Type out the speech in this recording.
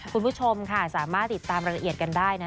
คุณผู้ชมค่ะสามารถติดตามรายละเอียดกันได้นะ